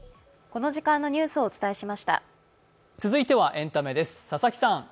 続いてはエンタメです。